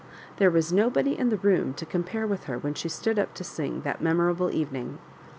There was nobody in the room to com pare with her when she stood up to sing on that memorable evening.